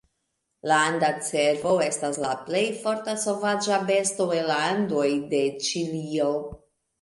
La anda cervo estas la plej forta sovaĝa besto en la Andoj de Ĉilio.